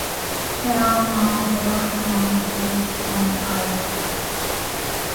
خرام ناز برق خرمن سعی سپند آیا